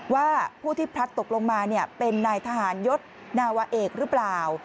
ว่าผู้ที่พลัดตกลงมาเป็นนายทหารยศนาวะเอกหรือเปล่า